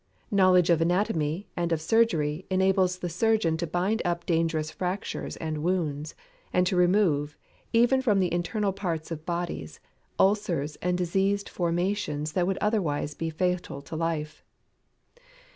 Knowledge of Anatomy and of Surgery enables the surgeon to bind up dangerous fractures and wounds, and to remove, even from the internal parts of bodies, ulcers and diseased formations that would otherwise be fatal to life.